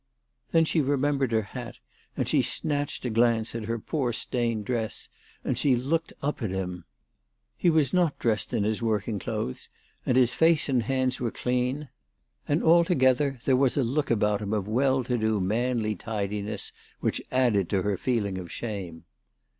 Then she remembered her hat, and she snatched a glance at her poor stained dress, and she looked up at him. He was not dressed in his working clothes, and his face and hands were clean, and altogether there was 308 THE TELEGRAPH GIRL. a look about him of well to do manly tidiness which added to her feeling of shame.